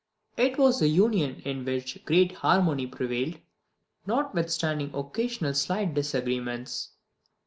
It was a union in which great harmony prevailed, notwithstanding occasional slight disagreements.